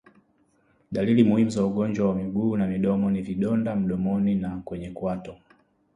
Dalili muhimu za ugonjwa wa miguu na midomo ni vidonda mdomoni na kwenye kwato